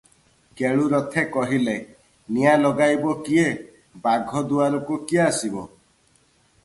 କେଳୁ ରଥେ କହିଲେ, "ନିଆଁ ଲଗାଇବ କିଏ, ବାଘଦୁଆରକୁ କିଏ ଆସିବ ।